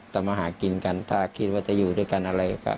ทำมาหากินกันถ้าคิดว่าจะอยู่ด้วยกันอะไรก็